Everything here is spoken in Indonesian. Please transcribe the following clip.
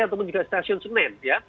ataupun juga stasiun senen